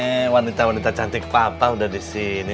eh wanita wanita cantik papa udah disini